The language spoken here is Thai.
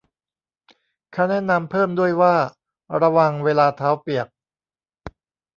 เค้าแนะนำเพิ่มด้วยว่า ระวังเวลาเท้าเปียก